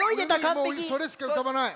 もうそれしかうかばない。